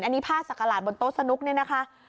อันนี้ผ้าสักกระหนบนโต๊ะสนุกเนี่ยนะคะ